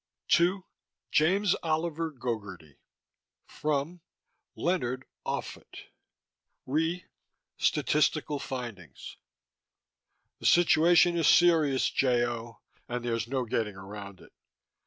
TO: James Oliver Gogarty FROM: Leonard Offutt RE: Statistical findings ... The situation is serious, J. O., and there's no getting around it.